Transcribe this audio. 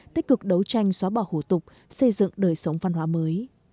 tích cực đấu tranh xóa bỏ hủ tục xây dựng đời sống văn hóa mới